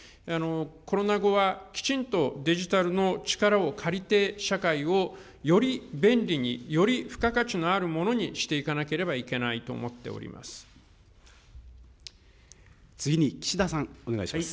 コロナ後はきちんとデジタルの力を借りて、社会をより便利に、より付加価値のあるものにしていかなければいけないと思っており次に岸田さん、お願いします。